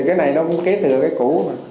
cái này nó cũng kế thừa cái cũ